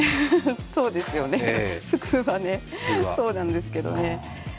そうですよね、普通はそうなんですけどね。